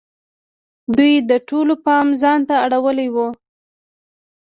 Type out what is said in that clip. دوی د ټولو پام ځان ته اړولی وو.